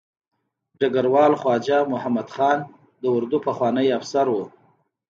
ډګروال خواجه محمد خان د اردو پخوانی افسر و.